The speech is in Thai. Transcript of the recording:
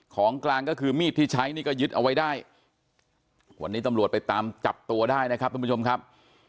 ของกลางก็คือมีดที่ใช้นี่ก็ยึดเอาไว้ได้วันนี้ตำรวจไปตามจับตัวได้นะครับทุกผู้ชมครับ